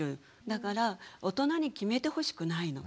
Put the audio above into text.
だから大人に決めてほしくないの。